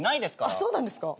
あっそうなんですか？